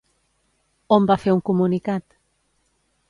On va fer un comunicat?